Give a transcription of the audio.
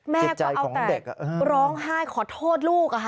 แม่ก็เอาแต่ร้องไห้ขอโทษลูกอะค่ะ